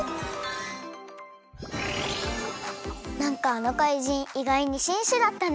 なんかあのかいじんいがいにしんしだったね。